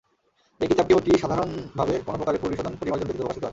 এ কিতাবটি অতি সাধারণভাবে কোন প্রকারের পরিশোধন পরিমার্জন ব্যতীত প্রকাশিত হয়।